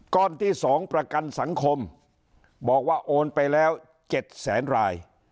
ก้อนที่๒ประกันสังคมบอกว่าโอนไปแล้ว๗แสนราย